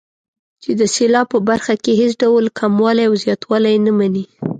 چې د سېلاب په برخه کې هېڅ ډول کموالی او زیاتوالی نه مني.